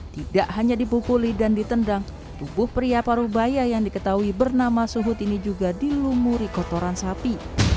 tidak hanya dipukuli dan ditendang tubuh pria paruh baya yang diketahui bernama suhut ini juga dilumuri kotoran sapi